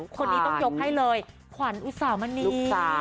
คนนี้ต้องยกให้เลยขวัญอุสามณี